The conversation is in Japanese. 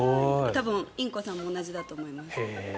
多分、インコさんも同じだと思います。